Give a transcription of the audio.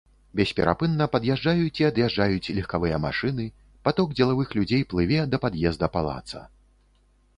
Бесперапынна пад'язджаюць і ад'язджаюць легкавыя машыны, паток дзелавых людзей плыве да пад'езда палаца.